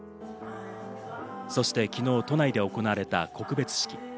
そして昨日、都内で行われた告別式。